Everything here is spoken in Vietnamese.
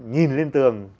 nhìn lên tường